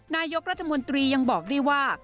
นายกรัฐมนตรียังบอกด้วยว่า